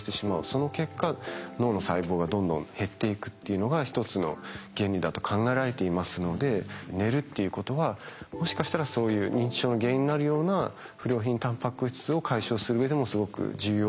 その結果脳の細胞がどんどん減っていくっていうのが一つの原理だと考えられていますので寝るっていうことはもしかしたらそういう認知症の原因になるような不良品タンパク質を解消するうえでもすごく重要だと考えられます。